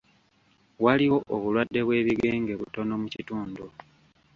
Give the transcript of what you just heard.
Waliwo obulwadde bw'ebigenge butono mu kitundu.